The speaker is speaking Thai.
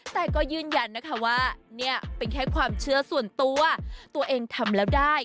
แต่ก็ยืนยันนะคะว่าเนี่ยเป็นแค่ความเชื่อส่วนตัวตัวเองทำแล้วได้